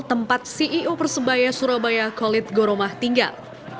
tempat ceo persebaya surabaya khalid goromah tinggal